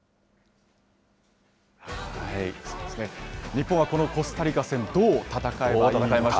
日本はこのコスタリカ戦、どう戦えばいいのか。